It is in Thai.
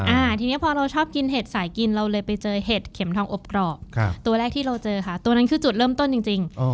อ่าทีนี้พอเราชอบกินเห็ดสายกินเราเลยไปเจอเห็ดเข็มทองอบกรอบครับตัวแรกที่เราเจอค่ะตัวนั้นคือจุดเริ่มต้นจริงจริง